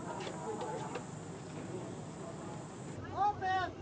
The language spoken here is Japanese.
・オープン！